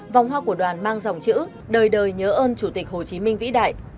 vòng hoa của đoàn mang dòng chữ đời đời nhớ ơn chủ tịch hồ chí minh vĩ đại